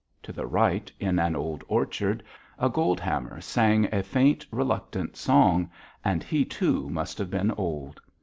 To the right, in an old orchard, a goldhammer sang a faint reluctant song, and he too must have been old.